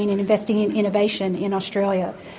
dan memperbuat inovasi di australia